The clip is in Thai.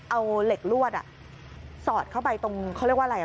เอาเหล็กลวดสอดเข้าไปตรงเขาเรียกว่าอะไร